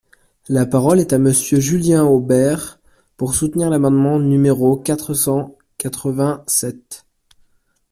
La parole est à Monsieur Julien Aubert, pour soutenir l’amendement numéro quatre cent quatre-vingt-sept.